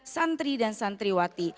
santri dan santriwati